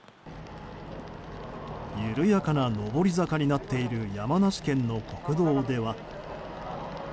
緩やかな上り坂になっている山梨県の国道では。